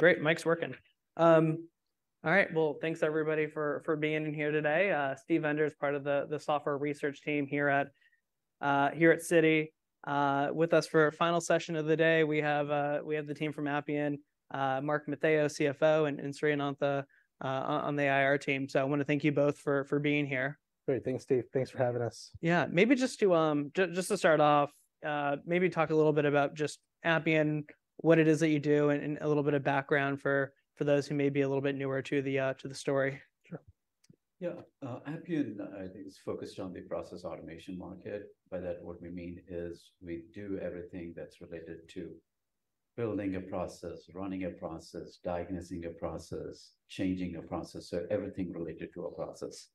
Great, mic's working. All right, well, thanks, everybody, for being in here today. Steven Enders, part of the software research team here at Citi. With us for our final session of the day, we have the team from Appian, Mark Matheos, CFO, and Sri Anantha on the IR team. So I wanna thank you both for being here. Great. Thanks, Steve. Thanks for having us. Yeah, maybe just to start off, maybe talk a little bit about just Appian, what it is that you do, and a little bit of background for those who may be a little bit newer to the story. Sure. Yeah, Appian is focused on the process automation market. By that, what we mean is we do everything that's related to building a process, running a process, diagnosing a process, changing a process, so everything related to a process.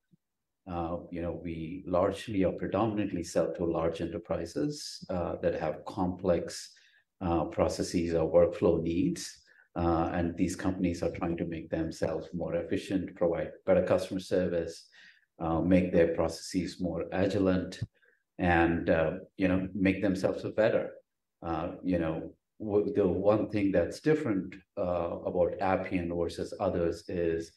You know, we largely or predominantly sell to large enterprises that have complex processes or workflow needs. And these companies are trying to make themselves more efficient, provide better customer service, make their processes more agile and, you know, make themselves better. You know, the one thing that's different about Appian versus others is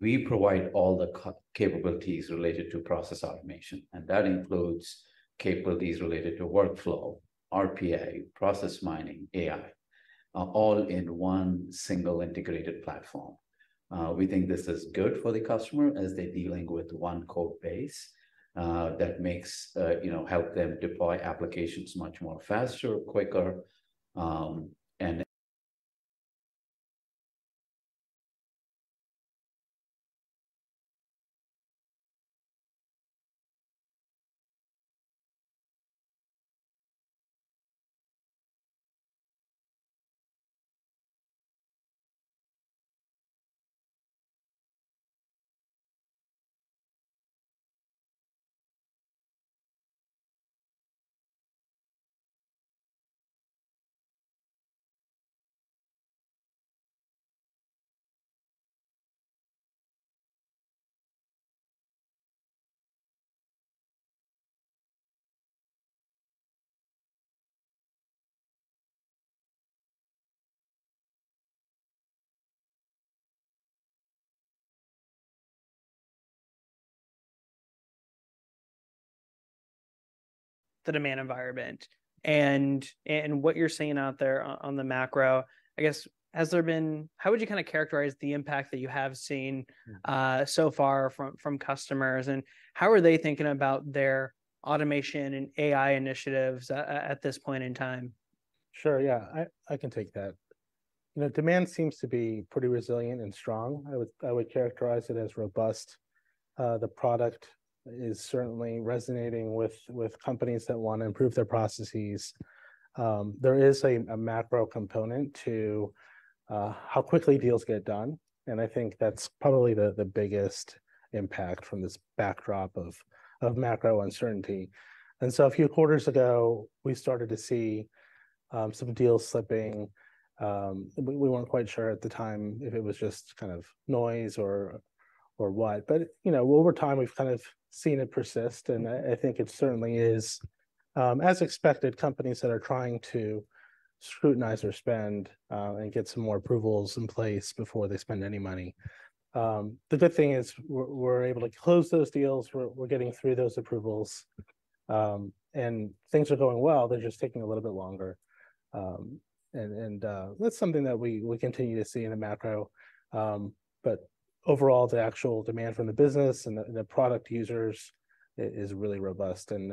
we provide all the capabilities related to process automation, and that includes capabilities related to workflow, RPA, Process Mining, AI, all in one single integrated platform. We think this is good for the customer, as they're dealing with one code base that makes, you know, help them deploy applications much more faster, quicker. The demand environment, and what you're seeing out there on the macro. I guess, how would you kinda characterize the impact that you have seen, so far from customers? And how are they thinking about their automation and AI initiatives at this point in time? Sure, yeah. I, I can take that. You know, demand seems to be pretty resilient and strong. I would, I would characterize it as robust. The product is certainly resonating with, with companies that wanna improve their processes. There is a, a macro component to, how quickly deals get done, and I think that's probably the, the biggest impact from this backdrop of, of macro uncertainty. And so a few quarters ago, we started to see, some deals slipping. We, we weren't quite sure at the time if it was just kind of noise or, or what, but, you know, over time, we've kind of seen it persist, and I, I think it certainly is, as expected, companies that are trying to scrutinize their spend, and get some more approvals in place before they spend any money. The good thing is we're able to close those deals, we're getting through those approvals, and things are going well, they're just taking a little bit longer. And that's something that we continue to see in the macro. But overall, the actual demand from the business and the product users is really robust, and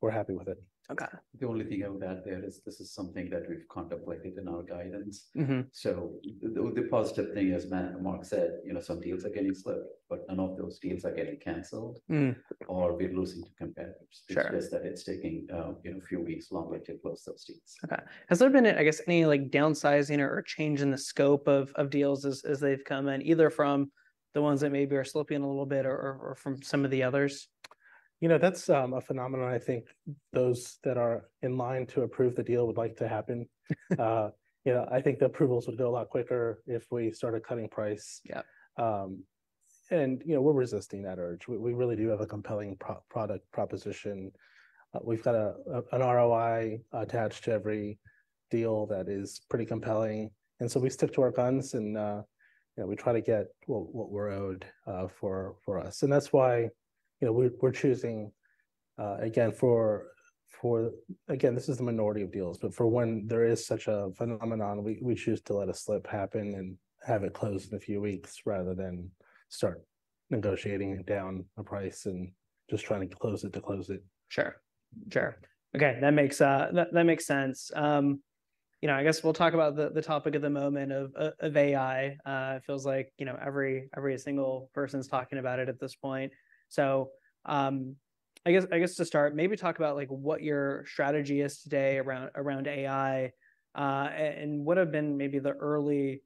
we're happy with it. Okay. The only thing I would add there is this is something that we've contemplated in our guidance. So the positive thing, as Mark said, you know, some deals are getting slipped, but none of those deals are getting canceled or we're losing to competitors. It's just that it's taking, you know, a few weeks longer to close those deals. Okay. Has there been, I guess, any, like, downsizing or change in the scope of deals as they've come in, either from the ones that maybe are slipping a little bit or from some of the others? You know, that's a phenomenon. I think those that are in line to approve the deal would like to happen. You know, I think the approvals would go a lot quicker if we started cutting price. Yeah. And, you know, we're resisting that urge. We, we really do have a compelling product proposition. We've got an ROI attached to every deal that is pretty compelling, and so we stick to our guns, and, you know, we try to get what, what we're owed, for, for us. And that's why, you know, we're, we're choosing, again, for, for. Again, this is the minority of deals, but for when there is such a phenomenon, we, we choose to let a slip happen and have it closed in a few weeks, rather than start negotiating down a price and just trying to close it to close it. Sure. Sure. Okay, that makes, that makes sense. You know, I guess we'll talk about the topic of the moment of AI. It feels like, you know, every single person's talking about it at this point. So, I guess to start, maybe talk about, like, what your strategy is today around AI, and what have been maybe the early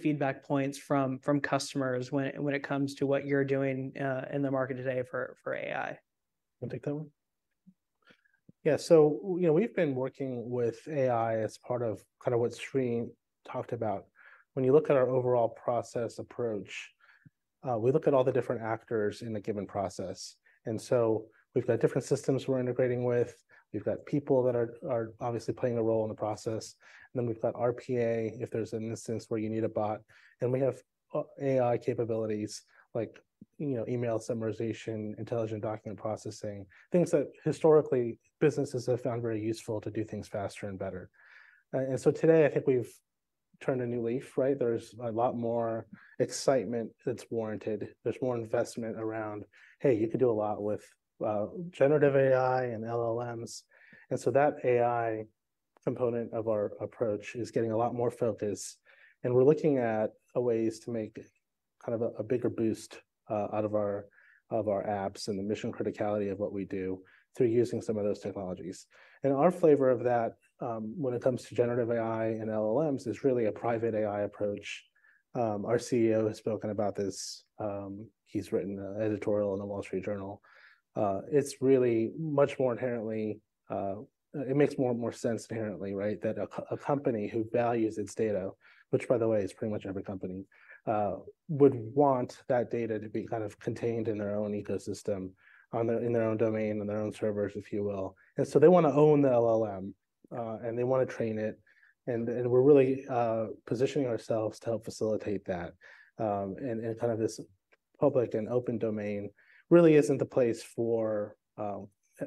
feedback points from customers when it comes to what you're doing in the market today for AI. Wanna take that one? Yeah, so, you know, we've been working with AI as part of kinda what Sri talked about. When you look at our overall process approach, we look at all the different actors in a given process. And so we've got different systems we're integrating with, we've got people that are obviously playing a role in the process, and then we've got RPA, if there's an instance where you need a bot. And we have AI capabilities like, you know, email summarization, intelligent document processing, things that historically businesses have found very useful to do things faster and better. And so today, I think we've turned a new leaf, right? There's a lot more excitement that's warranted. There's more investment around, "Hey, you could do a lot with generative AI and LLMs." And so that AI component of our approach is getting a lot more focus, and we're looking at ways to make kind of a bigger boost out of our apps and the mission criticality of what we do through using some of those technologies. And our flavor of that, when it comes to generative AI and LLMs, is really a Private AI approach. Our CEO has spoken about this. He's written an editorial in the Wall Street Journal. It's really much more inherently. It makes more and more sense inherently, right, that a company who values its data, which by the way, is pretty much every company, would want that data to be kind of contained in their own ecosystem, in their own domain, on their own servers, if you will. And so they want to own the LLM, and they want to train it, and we're really positioning ourselves to help facilitate that. And kind of this public and open domain really isn't the place for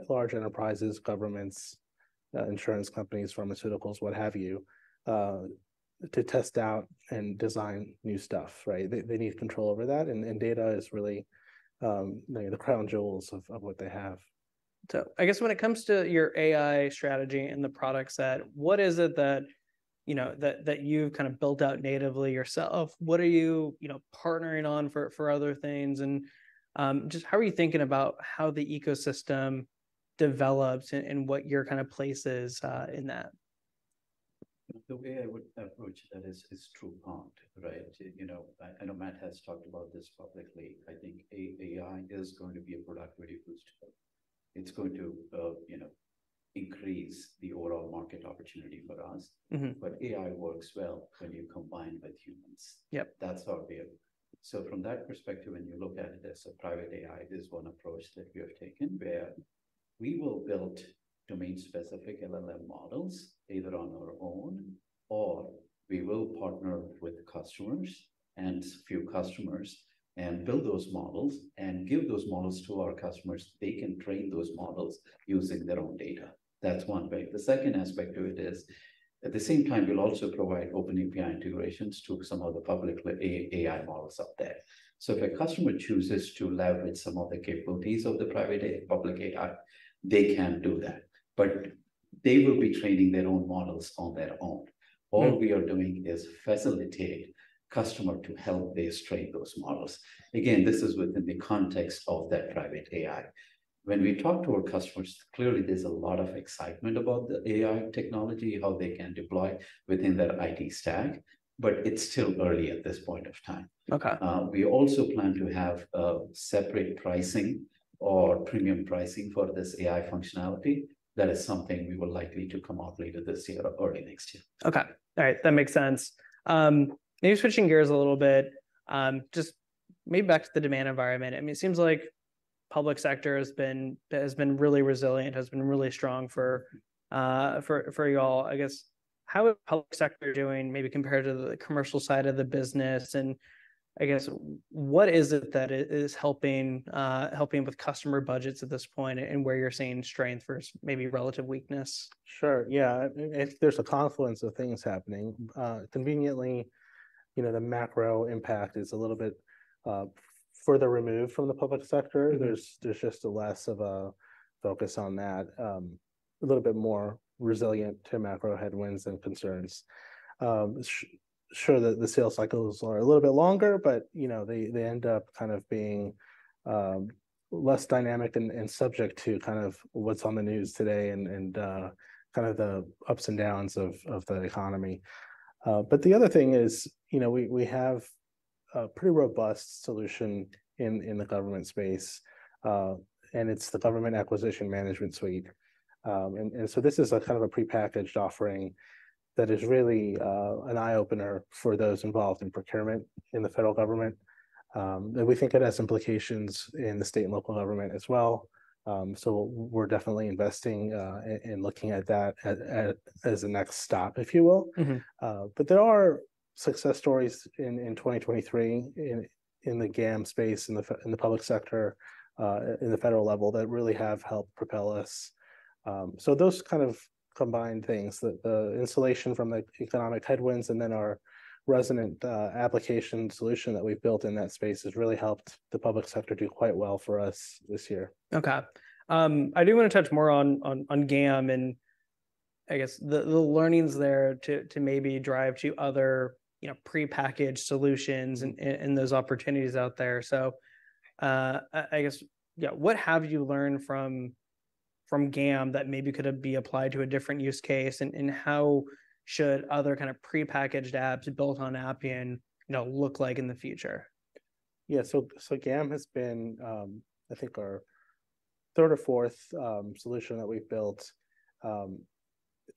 large enterprises, governments, insurance companies, pharmaceuticals, what have you, to test out and design new stuff, right? They need control over that, and data is really, you know, the crown jewels of what they have. So I guess when it comes to your AI strategy and the product set, what is it that, you know, that you've kind of built out natively yourself? What are you, you know, partnering on for other things, and just how are you thinking about how the ecosystem develops and what your kind of place is in that? The way I would approach that is two-part, right? You know, I know Matt has talked about this publicly. I think AI is going to be a productivity booster. It's going to, you know, increase the overall market opportunity for us. But AI works well when you combine with humans. That's our view. So from that perspective, when you look at it as a Private AI, this is one approach that we have taken, where we will build domain-specific LLM models, either on our own or we will partner with customers, and few customers, and build those models, and give those models to our customers. They can train those models using their own data. That's one way. The second aspect of it is, at the same time, we'll also provide open API integrations to some of the public AI models up there. So if a customer chooses to leverage some of the capabilities of the public AI, they can do that, but they will be training their own models on their own. All we are doing is facilitate customer to help they train those models. Again, this is within the context of that Private AI. When we talk to our customers, clearly there's a lot of excitement about the AI technology, how they can deploy within their IT stack, but it's still early at this point of time. We also plan to have a separate pricing or premium pricing for this AI functionality. That is something we will likely to come out later this year or early next year. Okay. All right, that makes sense. Maybe switching gears a little bit, just maybe back to the demand environment. I mean, it seems like public sector has been really resilient, has been really strong for y'all. I guess, how is public sector doing, maybe compared to the commercial side of the business? And I guess, what is it that is helping with customer budgets at this point, and where you're seeing strength versus maybe relative weakness? Sure, yeah. There's a confluence of things happening. Conveniently, you know, the macro impact is a little bit further removed from the public sector. There's just a less of a focus on that. A little bit more resilient to macro headwinds and concerns. Sure, the sales cycles are a little bit longer, but you know, they end up kind of being less dynamic and subject to kind of what's on the news today, and kind of the ups and downs of the economy. But the other thing is, you know, we have a pretty robust solution in the government space, and it's the Government Acquisition Management suite. And so this is a kind of a prepackaged offering that is really an eye-opener for those involved in procurement in the federal government. And we think it has implications in the state and local government as well. We're definitely investing and looking at that as a next step, if you will. Mm-hmm. But there are success stories in 2023, in the GAM space, in the public sector, in the federal level, that really have helped propel us. So those kind of combined things, the insulation from the economic headwinds, and then our resonant application solution that we've built in that space, has really helped the public sector do quite well for us this year. Okay. I do want to touch more on GAM and I guess the learnings there to maybe drive to other, you know, prepackaged solutions and those opportunities out there. So, I guess, yeah, what have you learned from GAM that maybe could be applied to a different use case, and how should other kind of prepackaged apps built on Appian, you know, look like in the future? Yeah. So GAM has been, I think our third or fourth solution that we've built.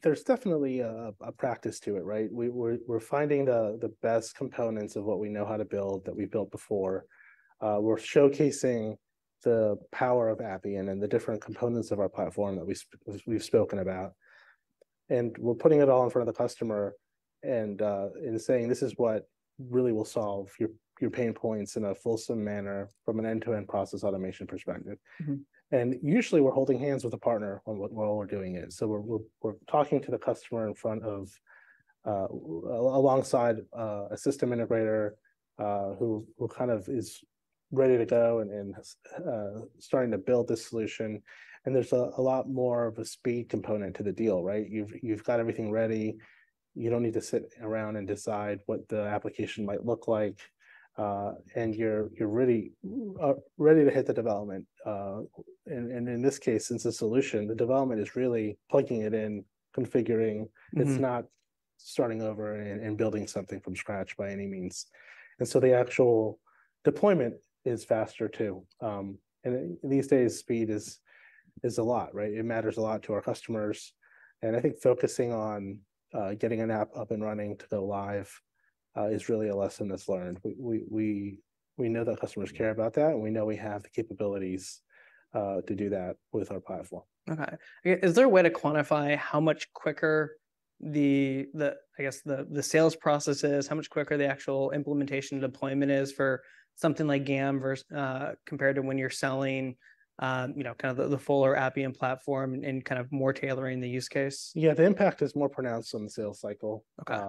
There's definitely a practice to it, right? We're finding the best components of what we know how to build, that we've built before. We're showcasing the power of Appian and the different components of our platform that we've spoken about, and we're putting it all in front of the customer, and saying, "This is what really will solve your pain points in a fulsome manner from an end-to-end process automation perspective. Mm-hmm. Usually, we're holding hands with a partner while we're doing it. So we're talking to the customer in front of, alongside a system integrator who kind of is ready to go and starting to build this solution. And there's a lot more of a speed component to the deal, right? You've got everything ready. You don't need to sit around and decide what the application might look like. And you're really ready to hit the development. And in this case, since the solution, the development is really plugging it in, configuring- Mm-hmm. It's not starting over and building something from scratch by any means. And so, the actual deployment is faster too. In these days, speed is a lot, right? It matters a lot to our customers. And I think focusing on getting an app up and running to go live is really a lesson that's learned. We know that customers care about that, and we know we have the capabilities to do that with our platform. Okay. Is there a way to quantify how much quicker I guess the sales process is? How much quicker the actual implementation deployment is for something like GAM versus compared to when you're selling you know kind of the fuller Appian Platform and kind of more tailoring the use case? Yeah, the impact is more pronounced on the sales cycle. Okay.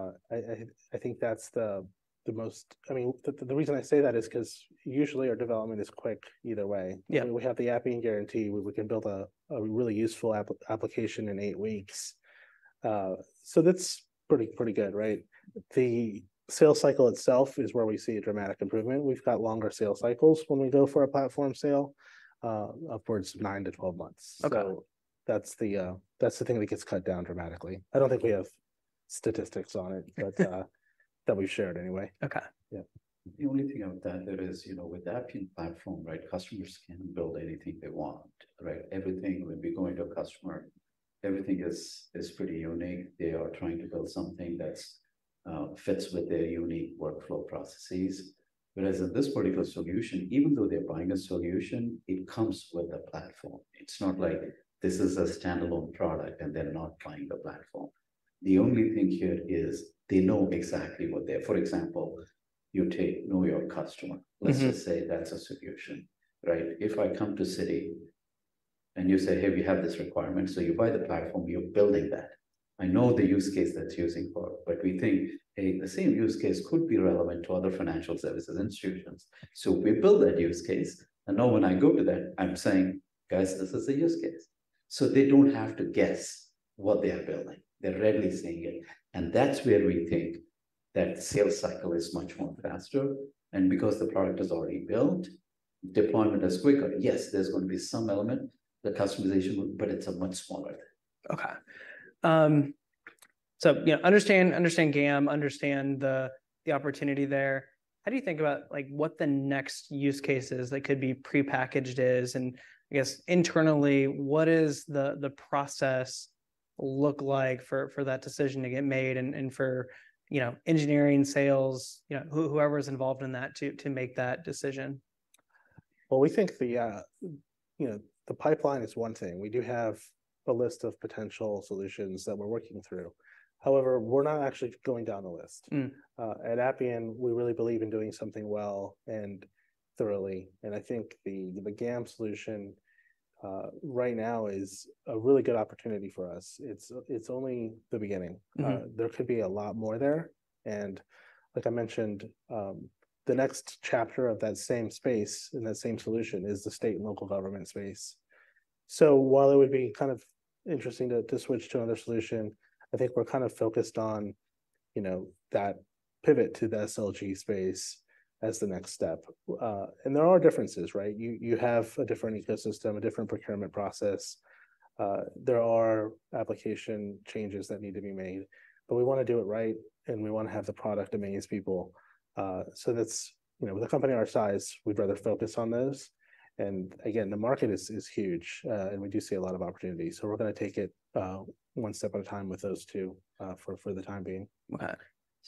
I think that's the most... I mean, the reason I say that is 'cause usually our development is quick either way. Yeah. We have the Appian Guarantee, where we can build a really useful application in eight weeks. So that's pretty good, right? The sales cycle itself is where we see a dramatic improvement. We've got longer sales cycles when we go for a platform sale, upwards of nine-12 months. Okay. So that's the thing that gets cut down dramatically. I don't think we have statistics on it, but that we've shared anyway. Okay. Yeah. The only thing I would add there is, you know, with the Appian Platform, right, customers can build anything they want, right? Everything, when we go into a customer, everything is, is pretty unique. They are trying to build something that fits with their unique workflow processes. Whereas in this particular solution, even though they're buying a solution, it comes with a platform. It's not like this is a standalone product, and they're not buying the platform. The only thing here is they know exactly what they're... For example, you take Know Your Customer. Mm-hmm. Let's just say that's a solution, right? If I come to Citi, and you say, "Hey, we have this requirement," so you buy the platform, you're building that. I know the use case that's using for, but we think the same use case could be relevant to other financial services institutions. So we build that use case, and now when I go to them, I'm saying: "Guys, this is a use case." So they don't have to guess what they are building. They're readily seeing it, and that's where we think that sales cycle is much more faster. And because the product is already built, deployment is quicker. Yes, there's going to be some element, the customization, but it's a much smaller. Okay. So, you know, understand GAM, understand the opportunity there. How do you think about, like, what the next use cases that could be prepackaged is? And I guess internally, what is the process look like for that decision to get made and for, you know, engineering, sales, you know, whoever is involved in that, to make that decision? Well, we think the, you know, the pipeline is one thing. We do have a list of potential solutions that we're working through. However, we're not actually going down the list. Mm. At Appian, we really believe in doing something well and thoroughly, and I think the GAM solution right now is a really good opportunity for us. It's only the beginning. Mm-hmm. There could be a lot more there, and like I mentioned, the next chapter of that same space and that same solution is the state and local government space. So while it would be kind of interesting to, to switch to another solution, I think we're kind of focused on, you know, that pivot to the SLG space as the next step. And there are differences, right? You, you have a different ecosystem, a different procurement process. There are application changes that need to be made, but we wanna do it right, and we wanna have the product amaze people. So that's... You know, with a company our size, we'd rather focus on this. Again, the market is huge, and we do see a lot of opportunities, so we're gonna take it one step at a time with those two for the time being. Okay.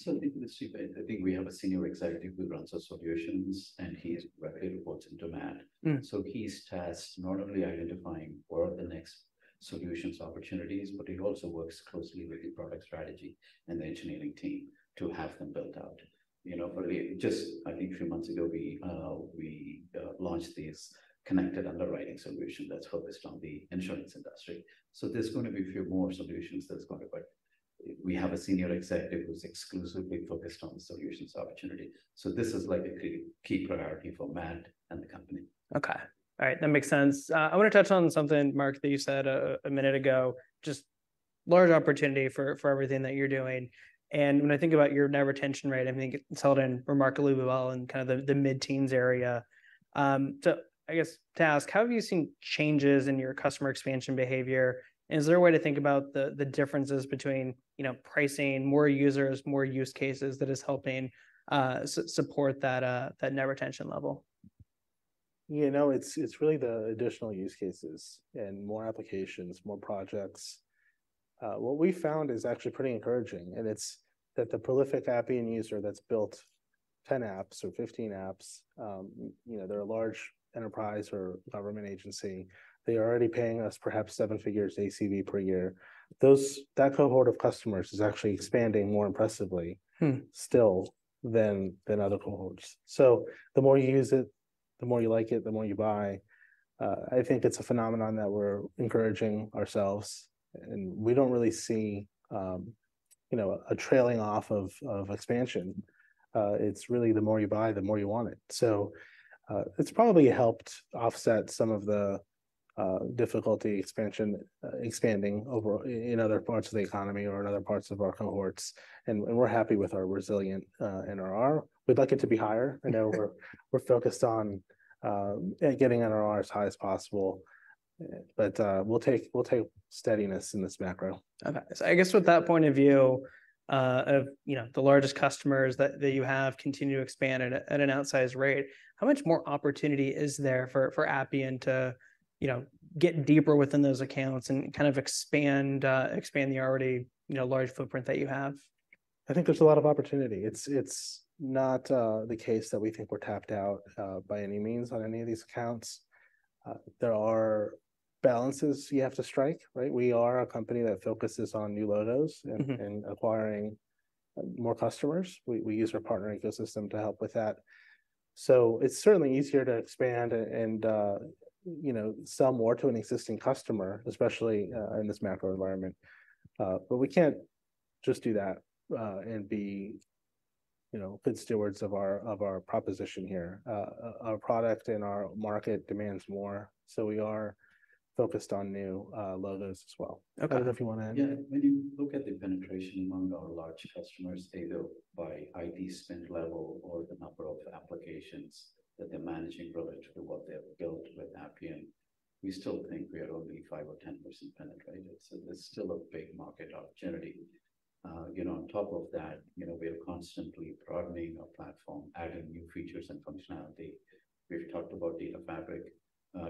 I think we have a senior executive who runs the solutions, and he reports into Matt. Mm. So he's tasked with not only identifying what are the next solutions opportunities, but he also works closely with the product strategy and the engineering team to have them built out. You know, we just, I think three months ago, we launched this Connected Underwriting solution that's focused on the insurance industry. So there's going to be a few more solutions that's going to work. We have a senior executive who's exclusively focused on solutions opportunity, so this is like a key priority for Matt and the company. Okay. All right, that makes sense. I wanna touch on something, Mark, that you said a minute ago. Just large opportunity for everything that you're doing. And when I think about your net retention rate, I think it's held in remarkably well in kind of the mid-teens area. So I guess to ask, how have you seen changes in your customer expansion behavior, and is there a way to think about the differences between, you know, pricing more users, more use cases that is helping support that net retention level? You know, it's really the additional use cases and more applications, more projects. What we found is actually pretty encouraging, and it's that the prolific Appian user that's built 10 apps or 15 apps, you know, they're a large enterprise or government agency. They are already paying us perhaps seven figures ACV per year. That cohort of customers is actually expanding more impressively- Hmm Still than other cohorts. So the more you use it, the more you like it, the more you buy. I think it's a phenomenon that we're encouraging ourselves, and we don't really see, you know, a trailing off of expansion. It's really the more you buy, the more you want it. So, it's probably helped offset some of the difficulty expansion, expanding over in other parts of the economy or in other parts of our cohorts, and we're happy with our resilient NRR. We'd like it to be higher. I know we're focused on getting NRR as high as possible, but we'll take steadiness in this macro. Okay. So I guess with that point of view, of, you know, the largest customers that you have continue to expand at an outsized rate, how much more opportunity is there for Appian to, you know, get deeper within those accounts and kind of expand the already, you know, large footprint that you have? I think there's a lot of opportunity. It's not the case that we think we're tapped out by any means on any of these accounts. There are balances you have to strike, right? We are a company that focuses on new logos- Mm-hmm And acquiring more customers. We use our partner ecosystem to help with that. So it's certainly easier to expand and, you know, sell more to an existing customer, especially, in this macro environment. But we can't just do that, and be, you know, good stewards of our proposition here. Our product and our market demands more, so we are focused on new logos as well. Okay. Maybe you want to add? Yeah. When you look at the penetration among our large customers, either by IT spend level or the number of applications that they're managing relative to what they have built with Appian, we still think we are only 5% or 10% penetrated, so there's still a big market opportunity. You know, on top of that, you know, we are constantly broadening our platform, adding new features and functionality. We've talked about Data Fabric,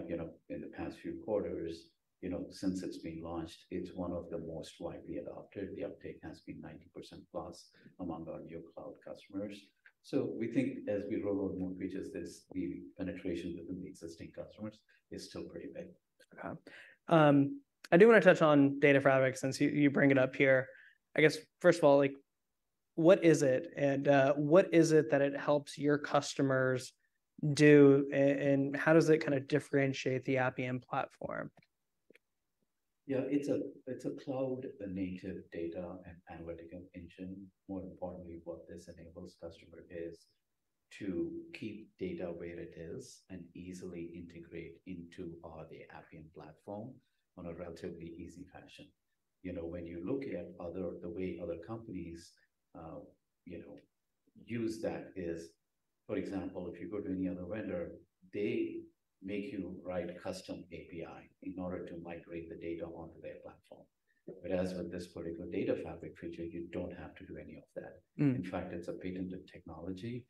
you know, in the past few quarters. You know, since it's been launched, it's one of the most widely adopted. The uptake has been 90%+ among our new cloud customers. So we think as we roll out more features, there's the penetration within the existing customers is still pretty big. Okay. I do wanna touch on Data Fabric, since you bring it up here. I guess, first of all, like, what is it, and what is it that it helps your customers do, and how does it kinda differentiate the Appian Platform? Yeah, it's a cloud-native data and analytic engine. More importantly, what this enables customer is to keep data where it is and easily integrate into the Appian Platform in a relatively easy fashion. You know, when you look at other, the way other companies, you know, use that is, for example, if you go to any other vendor, they make you write a custom API in order to migrate the data onto their platform. Yep. But as with this particular Data Fabric feature, you don't have to do any of that. Mm. In fact, it's a patented technology,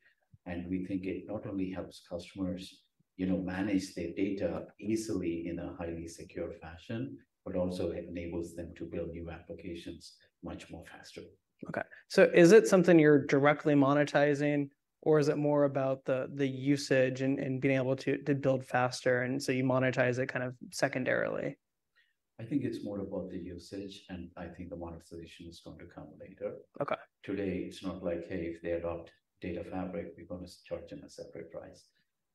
and we think it not only helps customers, you know, manage their data easily in a highly secure fashion, but also enables them to build new applications much more faster. Okay. So is it something you're directly monetizing, or is it more about the usage and being able to build faster, and so you monetize it kind of secondarily? I think it's more about the usage, and I think the monetization is going to come later. Okay. Today, it's not like, hey, if they adopt Data Fabric, we're gonna charge them a separate price.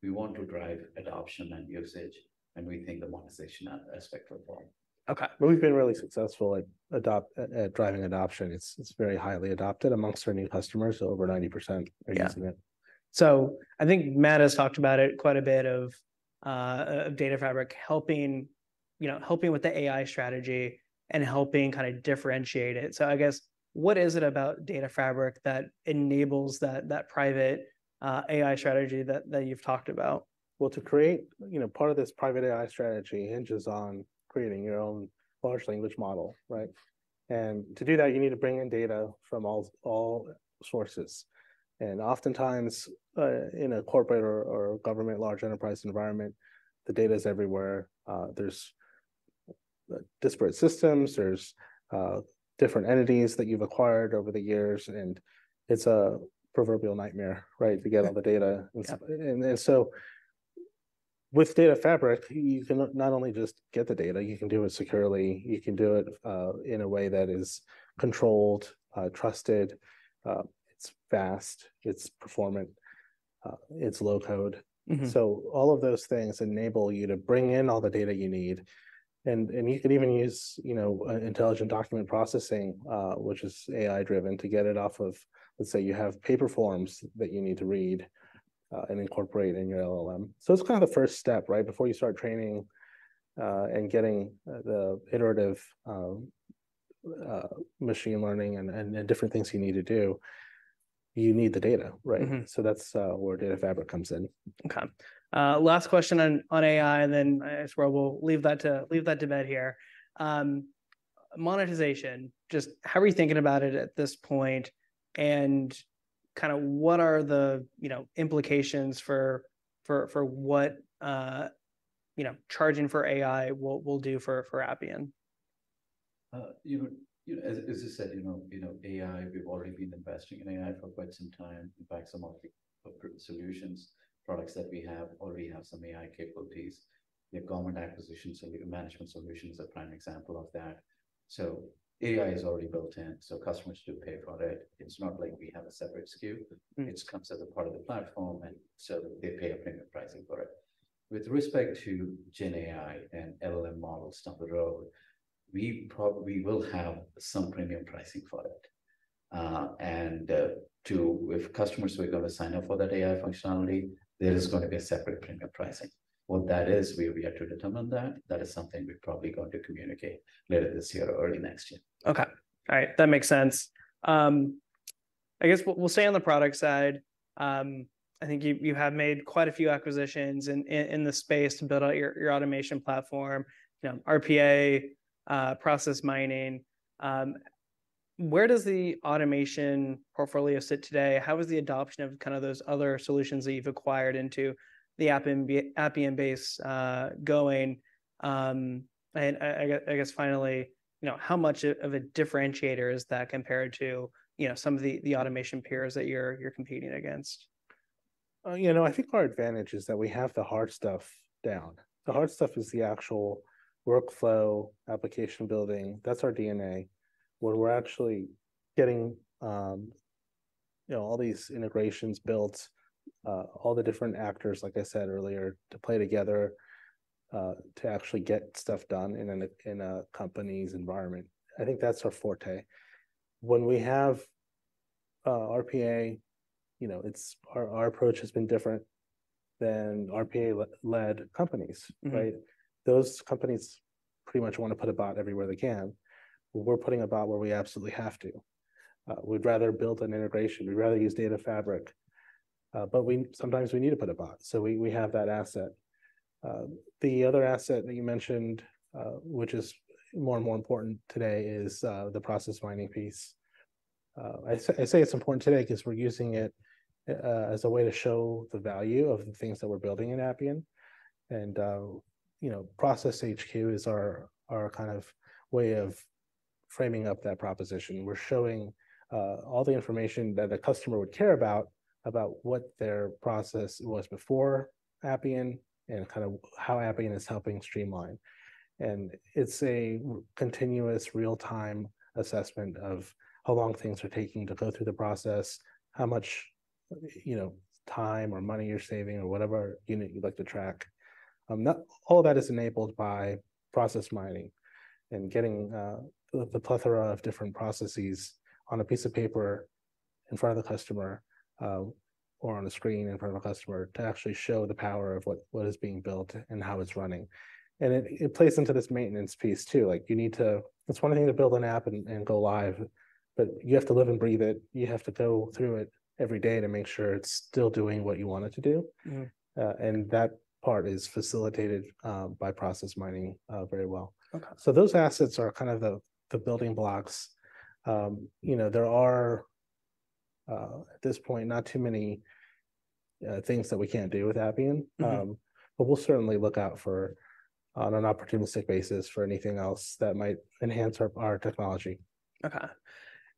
We want to drive adoption and usage, and we think the monetization aspect will follow. Okay. But we've been really successful at driving adoption. It's very highly adopted amongst our new customers. Over 90% are using it. Yeah. So I think Matt have talked about it quite a bit, of Data Fabric, helping, you know, helping with the AI strategy and helping kinda differentiate it. So I guess, what is it about Data Fabric that enables that, that Private AI strategy that, that you've talked about? Well, to create. You know, part of this Private AI strategy hinges on creating your own large language model, right? And to do that, you need to bring in data from all sources. And oftentimes, in a corporate or government large enterprise environment, the data is everywhere. There's disparate systems, there's different entities that you've acquired over the years, and it's a proverbial nightmare, right- Yeah... to get all the data. Yep. And so with Data Fabric, you can not only just get the data, you can do it securely, you can do it in a way that is controlled, trusted, it's fast, it's performant, it's low code. Mm-hmm. So all of those things enable you to bring in all the data you need, and you could even use, you know, intelligent document processing, which is AI-driven, to get it off of. Let's say you have paper forms that you need to read and incorporate in your LLM. So it's kinda the first step, right? Before you start training and getting the iterative machine learning and the different things you need to do, you need the data, right? Mm-hmm. So that's where Data Fabric comes in. Okay. Last question on AI, and then I guess we'll leave that to Matt here. Monetization, just how are you thinking about it at this point? And kind of what are the, you know, implications for what you know charging for AI will do for Appian? You know, as I said, you know, AI, we've already been investing in AI for quite some time. In fact, some of the solutions, products that we have already have some AI capabilities. The government acquisition management solution is a prime example of that. So AI is already built in, so customers do pay for it. It's not like we have a separate SKU. Mm. It comes as a part of the platform, and so they pay a premium pricing for it. With respect to Gen AI and LLM models down the road, we will have some premium pricing for it. If customers are going to sign up for that AI functionality, there is gonna be a separate premium pricing. What that is, we are yet to determine that. That is something we're probably going to communicate later this year or early next year. Okay. All right, that makes sense. I guess we'll stay on the product side. I think you have made quite a few acquisitions in the space to build out your automation platform, you know, RPA, Process Mining. Where does the automation portfolio sit today? How is the adoption of kind of those other solutions that you've acquired into the Appian base going? And I guess, finally, you know, how much of a differentiator is that compared to, you know, some of the automation peers that you're competing against? You know, I think our advantage is that we have the hard stuff down. The hard stuff is the actual workflow, application building. That's our DNA. Where we're actually getting, you know, all these integrations built, all the different actors, like I said earlier, to play together, to actually get stuff done in a company's environment. I think that's our forte. When we have RPA, you know, it's our approach has been different than RPA-led companies, right? Mm. Those companies pretty much want to put a bot everywhere they can. We're putting a bot where we absolutely have to. We'd rather build an integration, we'd rather use Data Fabric, but we sometimes we need to put a bot, so we have that asset. The other asset that you mentioned, which is more and more important today, is the Process Mining piece. I say it's important today because we're using it as a way to show the value of the things that we're building in Appian. And you know, Process HQ is our way of framing up that proposition. We're showing all the information that a customer would care about, about what their process was before Appian and kind of how Appian is helping streamline. And it's a continuous, real-time assessment of how long things are taking to go through the process, how much, you know, time or money you're saving, or whatever unit you'd like to track. That all of that is enabled by Process Mining and getting the plethora of different processes on a piece of paper in front of the customer, or on a screen in front of a customer, to actually show the power of what is being built and how it's running. And it plays into this maintenance piece, too. Like, you need to, it's one thing to build an app and go live, but you have to live and breathe it. You have to go through it every day to make sure it's still doing what you want it to do. Mm. That part is facilitated by Process Mining very well. Okay. So those assets are kind of the building blocks. You know, there are at this point not too many things that we can't do with Appian. Mm-hmm. But we'll certainly look out for, on an opportunistic basis, for anything else that might enhance our technology. Okay.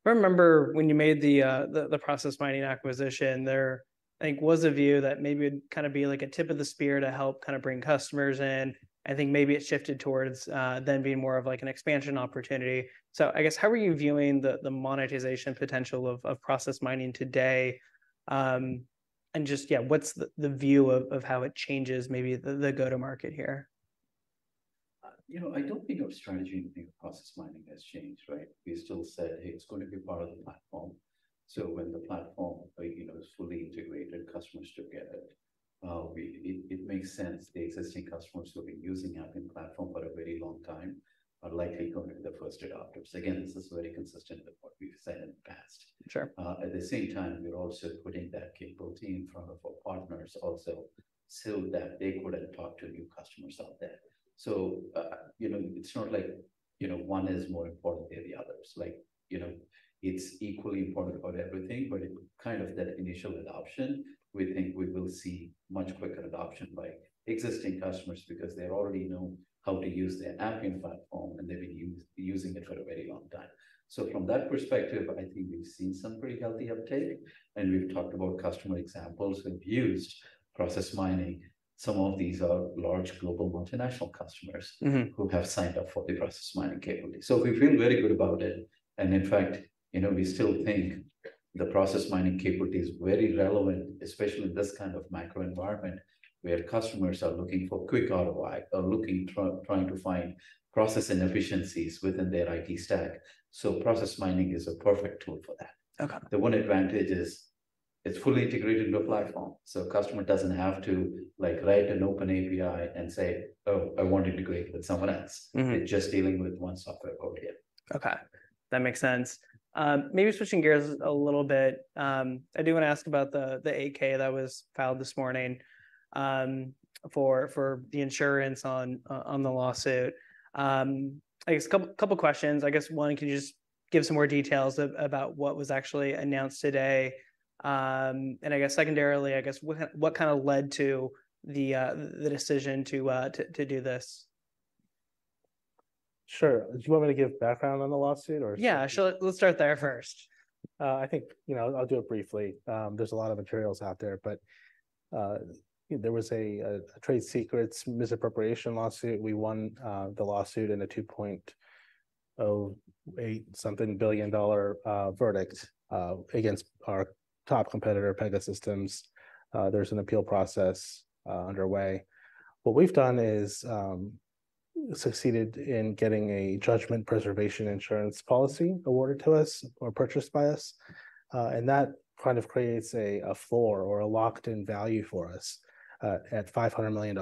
I remember when you made the Process Mining acquisition. There, I think, was a view that maybe it'd kind of be like a tip of the spear to help kind of bring customers in. I think maybe it shifted towards then being more of, like, an expansion opportunity. So I guess, how are you viewing the monetization potential of Process Mining today? And just, yeah, what's the view of how it changes maybe the go-to-market here? You know, I don't think our strategy in Process Mining has changed, right? We still said it's going to be part of the platform. So when the platform, you know, is fully integrated, customers should get it. It, it makes sense. The existing customers who have been using Appian Platform for a very long time are likely going to be the first adopters. Again, this is very consistent with what we've said in the past. Sure. At the same time, we're also putting that capability in front of our partners also, so that they could then talk to new customers out there. So, you know, it's not like, you know, one is more important than the others. Like, you know, it's equally important about everything, but it kind of that initial adoption, we think we will see much quicker adoption by existing customers because they already know how to use the Appian Platform, and they've been using it for a very long time. So from that perspective, I think we've seen some pretty healthy uptake, and we've talked about customer examples who've used Process Mining. Some of these are large, global, multinational customers- Mm-hmm who have signed up for the Process Mining capability. So we feel very good about it. And in fact, you know, we still think the Process Mining capability is very relevant, especially in this kind of macro environment, where customers are looking for quick ROI or looking, trying to find process inefficiencies within their IT stack. So Process Mining is a perfect tool for that. Okay. The one advantage is it's fully integrated into a platform, so customer doesn't have to, like, write an open API and say, "Oh, I want to integrate with someone else. Mm-hmm. It's just dealing with one software over here. Okay. That makes sense. Maybe switching gears a little bit, I do want to ask about the 8-K that was filed this morning, for the insurance on the lawsuit. I guess a couple questions. I guess one, can you just give some more details about what was actually announced today? And secondarily, what kind of led to the decision to do this? Sure. Do you want me to give background on the lawsuit or? Yeah, sure. Let's start there first. I think, you know, I'll do it briefly. There's a lot of materials out there, but there was a trade secrets misappropriation lawsuit. We won the lawsuit and a $2.08-something billion verdict against our top competitor, Pegasystems. There's an appeal process underway. What we've done is succeeded in getting a Judgment Preservation Insurance policy awarded to us or purchased by us, and that kind of creates a floor or a locked-in value for us at $500 million.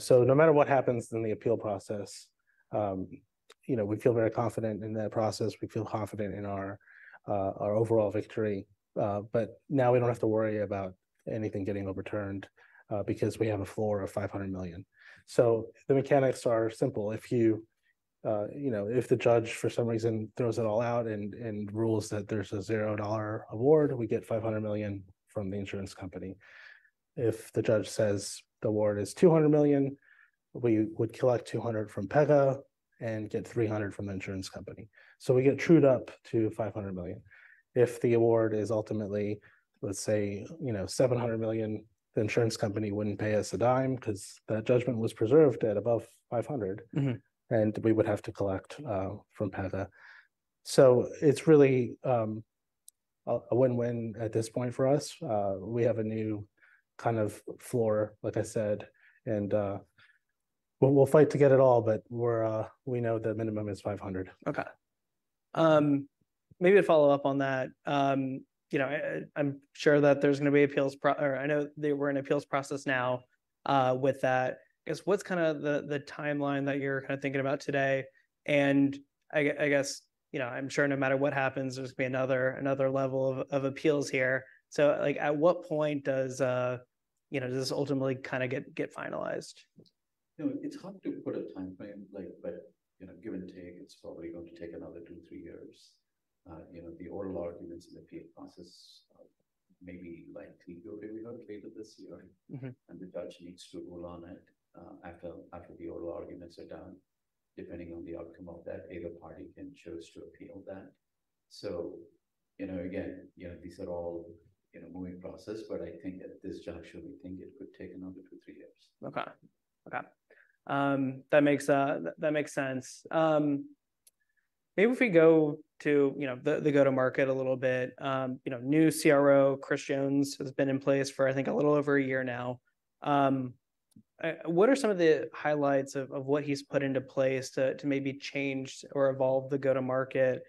So no matter what happens in the appeal process, you know, we feel very confident in that process. We feel confident in our our overall victory, but now we don't have to worry about anything getting overturned, because we have a floor of $500 million. So the mechanics are simple. If you, you know, if the judge, for some reason, throws it all out and rules that there's a $0 award, we get $500 million from the insurance company. If the judge says the award is $200 million, we would collect $200 million from Pega and get $300 million from the insurance company. So we get trued up to $500 million. If the award is ultimately, let's say, you know, $700 million, the insurance company wouldn't pay us a dime 'cause that judgment was preserved at above $500 million. Mm-hmm. We would have to collect from Pega. It's really a win-win at this point for us. We have a new kind of floor, like I said, and we'll fight to get it all, but we know the minimum is $500,000. Okay. Maybe to follow up on that, you know, I'm sure that there's gonna be appeals pro- or I know they were in appeals process now with that. I guess, what's kind of the, the timeline that you're kind of thinking about today? I guess, you know, I'm sure no matter what happens, there's gonna be another, another level of, of appeals here. Like, at what point does, you know, does this ultimately kind of get, get finalized? You know, it's hard to put a timeframe, like, but, you know, give and take, it's probably going to take another two-three years. You know, the oral arguments in the appeal process may be likely to be relegated this year. Mm-hmm. And the judge needs to rule on it after the oral arguments are done. Depending on the outcome of that, either party can choose to appeal that. So, you know, again, you know, these are all in a moving process, but I think at this juncture, we think it could take another two-three years. Okay. Okay. That makes sense. Maybe if we go to, you know, the go-to-market a little bit, you know, new CRO, Chris Jones, has been in place for, I think, a little over a year now. What are some of the highlights of what he's put into place to maybe change or evolve the go-to-market?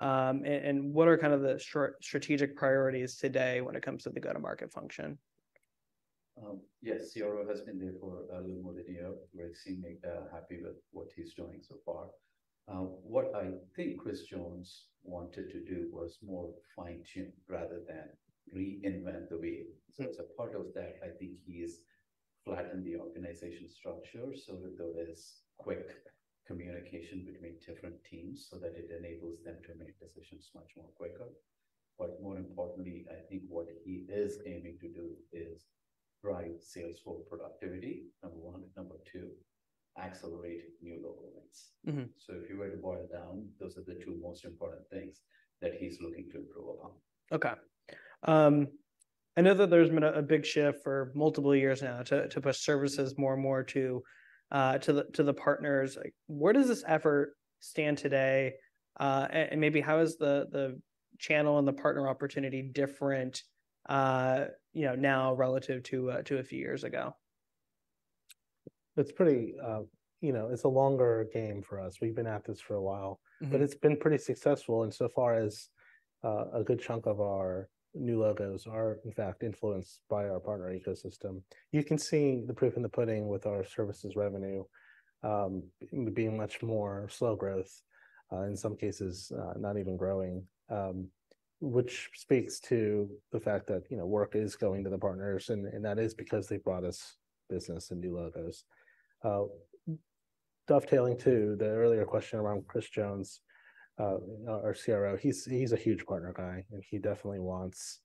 And what are kind of the short strategic priorities today when it comes to the go-to-market function? Yes, CRO has been there for a little more than a year. We're seeming happy with what he's doing so far. What I think Chris Jones wanted to do was more fine-tune rather than reinvent the way. Mm-hmm. So as a part of that, I think he's flattened the organization structure so that there is quick communication between different teams, so that it enables them to make decisions much more quicker. But more importantly, I think what he is aiming to do is drive sales force productivity, number one. Number two, accelerate new logo wins. Mm-hmm. If you were to boil it down, those are the two most important things that he's looking to improve upon. Okay. I know that there's been a big shift for multiple years now to push services more and more to the partners. Like, where does this effort stand today? And maybe how is the channel and the partner opportunity different, you know, now relative to a few years ago? It's pretty. You know, it's a longer game for us. We've been at this for a while. Mm-hmm. But it's been pretty successful in so far as a good chunk of our new logos are, in fact, influenced by our partner ecosystem. You can see the proof in the pudding with our services revenue being much more slow growth, in some cases, not even growing. Which speaks to the fact that, you know, work is going to the partners, and that is because they've brought us business and new logos. Dovetailing to the earlier question around Chris Jones, our CRO, he's a huge partner guy, and he definitely wants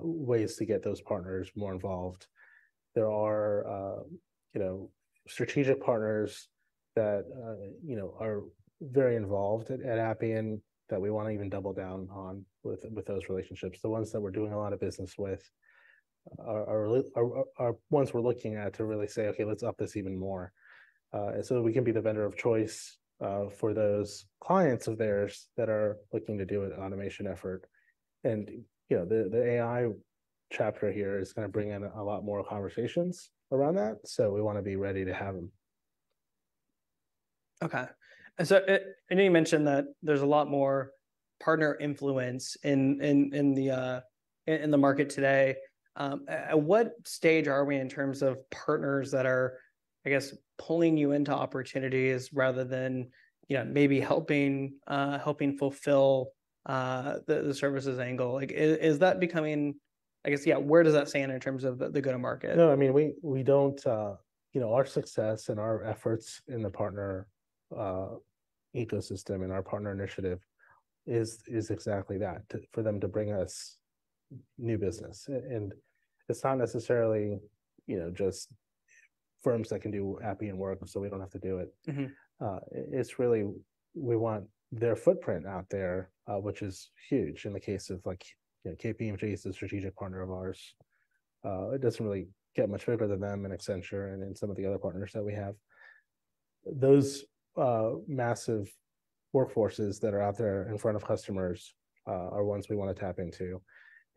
ways to get those partners more involved. There are, you know, strategic partners that, you know, are very involved at Appian, that we wanna even double down on with those relationships. The ones that we're doing a lot of business with are ones we're looking at to really say, "Okay, let's up this even more," so we can be the vendor of choice for those clients of theirs that are looking to do an automation effort. You know, the AI chapter here is gonna bring in a lot more conversations around that, so we wanna be ready to have 'em. Okay. And so, I know you mentioned that there's a lot more partner influence in the market today. At what stage are we in terms of partners that are, I guess, pulling you into opportunities rather than, you know, maybe helping fulfill the services angle? Like, is that becoming, I guess, yeah, where does that stand in terms of the go-to-market? No, I mean, we don't. You know, our success and our efforts in the partner ecosystem and our partner initiative is exactly that, for them to bring us new business. And it's not necessarily, you know, just firms that can do Appian work, so we don't have to do it. Mm-hmm. It's really we want their footprint out there, which is huge in the case of, like, you know, KPMG is a strategic partner of ours. It doesn't really get much bigger than them, and Accenture, and then some of the other partners that we have. Those massive workforces that are out there in front of customers are ones we want to tap into.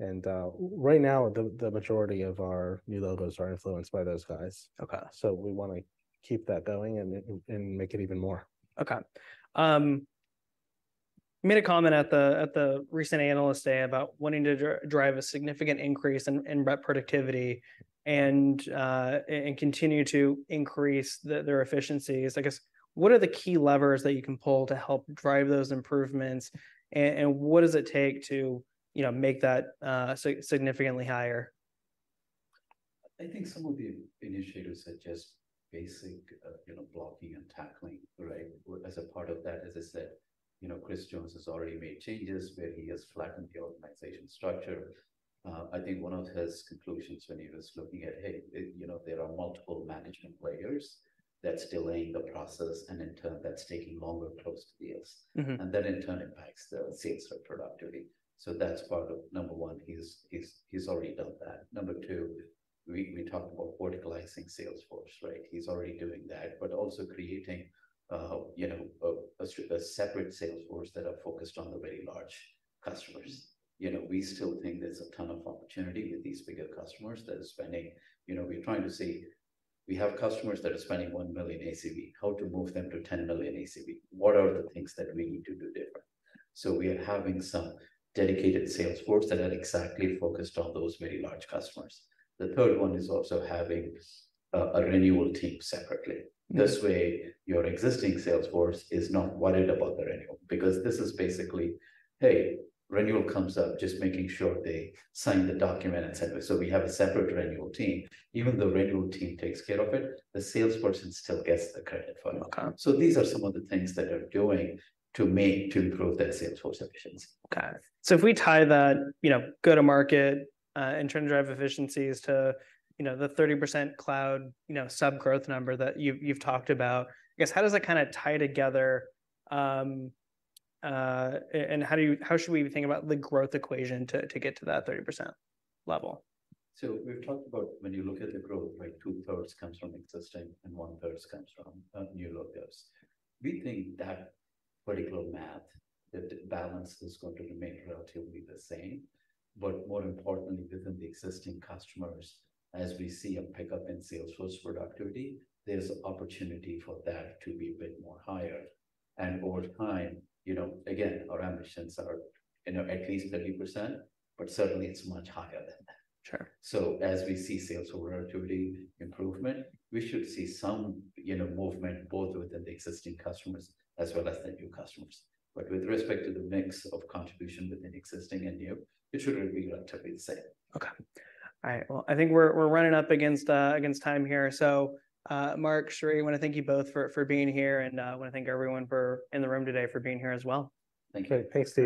And right now, the majority of our new logos are influenced by those guys. Okay. So we want to keep that going and make it even more. Okay. You made a comment at the recent Analyst Day about wanting to drive a significant increase in rep productivity and continue to increase their efficiencies. I guess, what are the key levers that you can pull to help drive those improvements, and what does it take to, you know, make that significantly higher? I think some of the initiatives are just basic, you know, blocking and tackling, right? As a part of that, as I said, you know, Chris Jones has already made changes where he has flattened the organization structure. I think one of his conclusions when he was looking at, hey, you know, there are multiple management layers that's delaying the process, and in turn, that's taking longer to close deals. Mm-hmm. That, in turn, impacts the sales rep productivity. That's part of number one. He's already done that. Number two, we talked about verticalizing sales force, right? He's already doing that, but also creating, you know, a separate sales force that are focused on the very large customers. You know, we still think there's a ton of opportunity with these bigger customers that are spending. You know, we're trying to say we have customers that are spending $1 million ACV, how to move them to $10 million ACV? What are the things that we need to do different? We are having some dedicated sales force that are exactly focused on those very large customers. The third one is also having a renewal team separately. Mm. This way, your existing sales force is not worried about the renewal, because this is basically, "Hey, renewal comes up," just making sure they sign the document, et cetera. So we have a separate renewal team. Even the renewal team takes care of it, the salesperson still gets the credit for it. Okay. These are some of the things that we're doing to make, to improve the sales force efficiency. Okay. So if we tie that, you know, go-to-market and trying to drive efficiencies to, you know, the 30% cloud, you know, sub-growth number that you've talked about, I guess, how does that kinda tie together and how do you-how should we think about the growth equation to get to that 30% level? So we've talked about when you look at the growth, like 2/3 comes from existing and 1/3 comes from new logos. We think that particular math, the balance is going to remain relatively the same, but more importantly, within the existing customers, as we see a pickup in sales force productivity, there's opportunity for that to be a bit more higher. And over time, you know, again, our ambitions are, you know, at least 30%, but certainly, it's much higher than that. Sure. As we see sales productivity improvement, we should see some, you know, movement both within the existing customers as well as the new customers. With respect to the mix of contribution within existing and new, it should remain relatively the same. Okay. All right, well, I think we're running up against time here. So, Mark, Sri, I wanna thank you both for being here, and, I wanna thank everyone in the room today for being here as well. Thank you. Okay. Thanks, Steve.